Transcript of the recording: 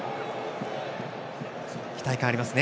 期待感がありますね。